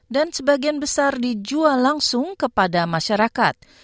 dan sebagian besar dijual langsung kepada masyarakat